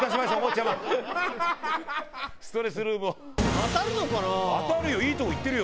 当たるよ！